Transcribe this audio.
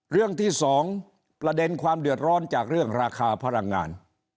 เรื่องที่๒ประเด็นความเดือดร้อนจากเรื่องราคาพลังงาน